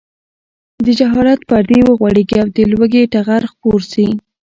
د جهالت پردې وغوړېږي او د لوږې ټغر خپور شي.